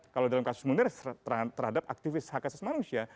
kalau dalam kasus munir terhadap aktivis hak asasi manusia